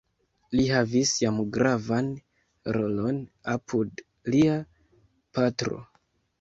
Li havis jam gravan rolon apud lia patro.